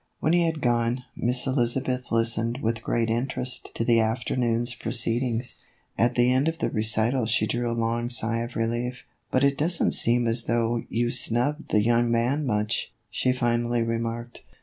When he had gone, Miss Elizabeth listened with great interest to the afternoon's proceedings. At the end of the recital she drew a long sigh of relief. " But it does n't seem as though you snubbed the young man much," she finally remarked.